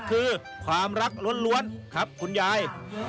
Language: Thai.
คือความรักล้วนครับคุณยาย